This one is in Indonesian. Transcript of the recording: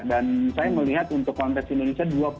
dan saya melihat untuk konteks indonesia dua puluh